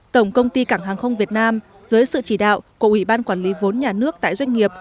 tổng công ty cảng hàng không việt nam dưới sự chỉ đạo của ủy ban quản lý vốn nhà nước tại doanh nghiệp